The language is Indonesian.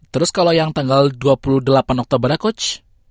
terus kalau yang tanggal dua puluh delapan oktobernya coach